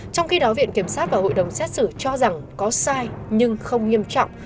trong khi đó viện kiểm sát và hội đồng xét xử cho rằng có sai nhưng không nghiêm trọng